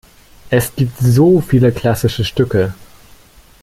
Es gibt so viele klassische Stücke!